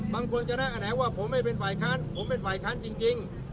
บางคนจะนั่งแขนงว่าผมไม่เป็นฝ่ายค้านผมเป็นฝ่ายค้านจริง